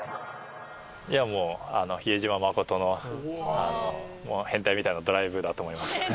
いやもう比江島慎の変態みたいなドライブだと思いますね。